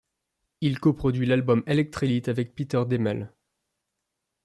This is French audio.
Il co-produit l'album Electrelite avec Peter Deimel.